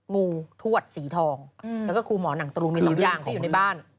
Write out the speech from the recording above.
งูทวดสีทองแล้วก็ครูหมอหนังตรูมี๒อย่างที่อยู่ในบ้าน